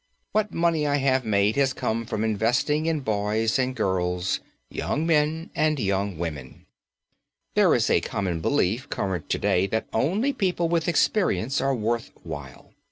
What money I have made has come from investing in boys and girls, young men and young women. There is a common belief current to day that only people with experience are worth while.